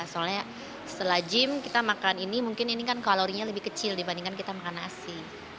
soalnya setelah gym kita makan ini mungkin ini kan kalorinya lebih kecil dibandingkan kita makan nasi